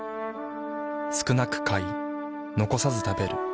少なく買い残さず食べる。